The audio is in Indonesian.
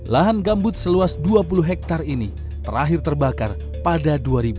lahan gambut seluas dua puluh hektare ini terakhir terbakar pada dua ribu dua